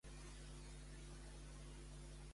El monarca podia posar fi a la vida de Bel·lerofont?